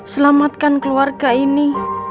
selamatkan keluarga ini